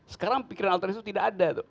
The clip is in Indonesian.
sekarang pikiran alternatif itu tidak ada